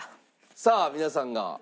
さあ皆さんの。